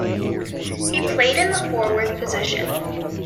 He played in the forward position.